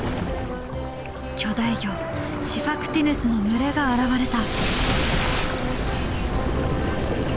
巨大魚シファクティヌスの群れが現れた。